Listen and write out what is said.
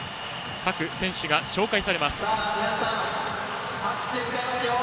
各選手が紹介されます。